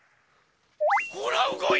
ほらうごいた！